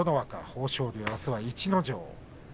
豊昇龍は、あすは逸ノ城。